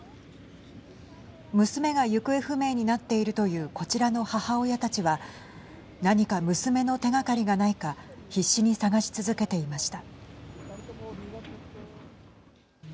娘が行方不明になっているというこちらの母親たちは何か娘の手がかりがないか必死に探し続けていました。